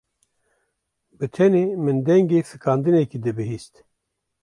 Bi tenê min dengê fîkandinekê dibihîst.